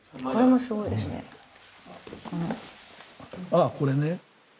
ああこれね。